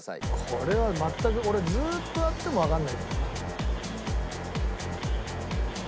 これは全く俺ずっとやってもわかんないと思うな。